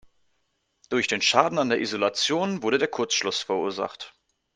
Durch den Schaden an der Isolation wurde der Kurzschluss verursacht.